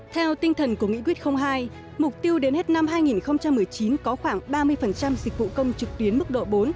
theo tinh thần của nghị quyết hai mục tiêu đến hết năm hai nghìn một mươi chín có khoảng ba mươi dịch vụ công trực tuyến mức độ bốn